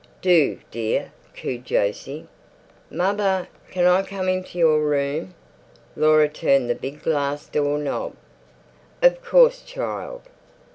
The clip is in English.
"Do, dear," cooed Jose. "Mother, can I come into your room?" Laura turned the big glass door knob. "Of course, child.